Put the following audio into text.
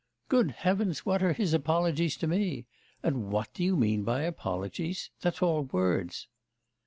'Good Heavens, what are his apologies to me? And what do you mean by apologies? That's all words.